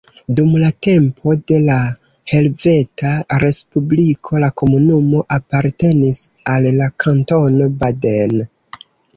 Dum la tempo de la Helveta Respubliko la komunumo apartenis al la Kantono Baden.